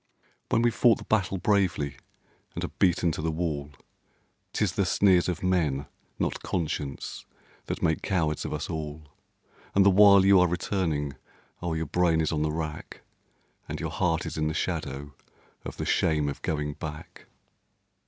When we've fought the battle bravely and are beaten to the wall, 'Tis the sneers of men, not conscience, that make cowards of us all; And the while you are returning, oh! your brain is on the rack, And your heart is in the shadow of the shame of going back.